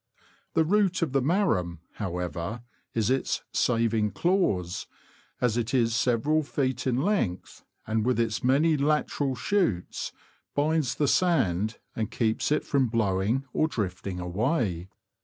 The root of the marram, however, is its " saving clause," as it is several feet in length, and, with its many lateral shoots, binds the sand, and keeps it from blowing or drifting away.